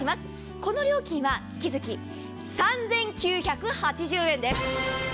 この料金は月々３９８０円です。